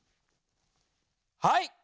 はい。